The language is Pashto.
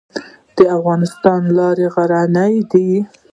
د افغانستان لارې غرنۍ دي